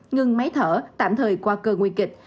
ngưng máy thở tạm thời qua cơ nguy kịch